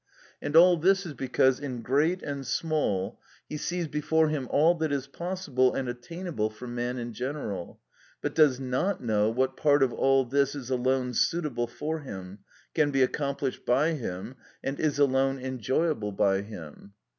And all this is because, in great and small, he sees before him all that is possible and attainable for man in general, but does not know what part of all this is alone suitable for him, can be accomplished by him, and is alone enjoyable by him.